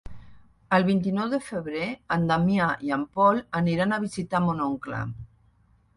El vint-i-nou de febrer en Damià i en Pol aniran a visitar mon oncle.